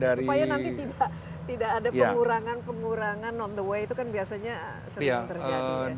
supaya nanti tidak ada pengurangan pengurangan on the way itu kan biasanya sering terjadi